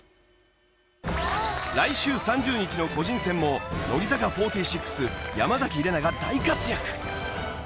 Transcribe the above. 来週３０日の個人戦も乃木坂４６山崎怜奈が大活躍！